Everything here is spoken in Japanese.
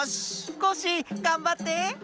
コッシーがんばって！